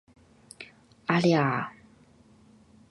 阿利阿。